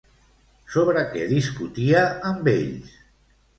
Sobre què discutia amb ells?